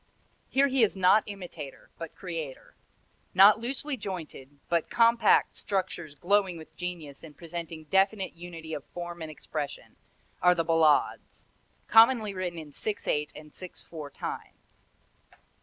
Here he is not imitator, but creator. Not loosely jointed, but compact structures glowing with genius and presenting definite unity of form and expression, are the ballades commonly written in six eight and six four time.